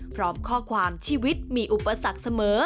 พร้อมข้อความชีวิตมีอุปสรรคเสมอ